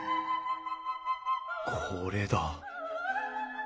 これだ。